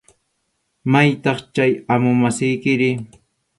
¿Maytaq chay amu masiykiri?